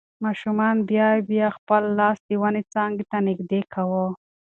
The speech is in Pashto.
ماشوم بیا بیا خپل لاس د ونې څانګې ته نږدې کاوه.